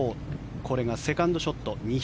これがセカンドショット。